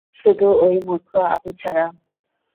শুধু ওই মূর্খ আভি ছাড়া।